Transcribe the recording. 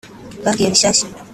babwiye rushyashya